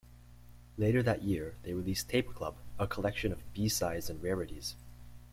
Later that year, they released "Tape Club", a collection of b-sides and rarities.